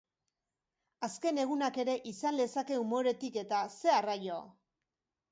Azken egunak ere izan lezake umoretik eta, zer arraio!